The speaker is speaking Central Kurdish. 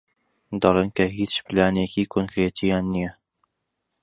دەڵێن کە هیچ پلانێکی کۆنکریتییان نییە.